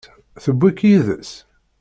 Tewwi-k yid-s?